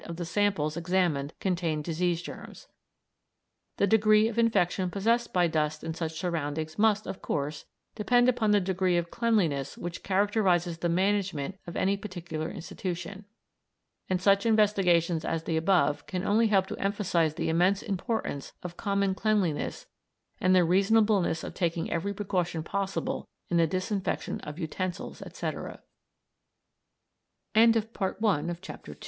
of the samples examined contained disease germs. The degree of infection possessed by dust in such surroundings must, of course, depend upon the degree of cleanliness which characterises the management of any particular institution; and such investigations as the above can only help to emphasise the immense importance of common cleanliness and the reasonableness of taking every precaution possible in the disinfection of utensils, etc. Some years ago Messrs. Carnelley, Haldane, and Anderson carried out an elaborate series of investigations on the air of dwelling hous